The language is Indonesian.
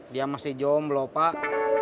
dia masih jomblo pak